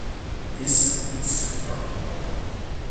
His son is Sir Mark Waller.